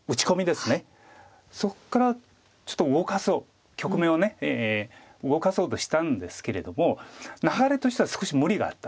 そこからちょっと動かそう局面を動かそうとしたんですけれども流れとしては少し無理があったんです。